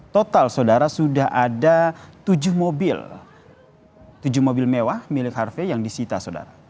total saudara sudah ada tujuh mobil tujuh mobil mewah milik harvey yang disita saudara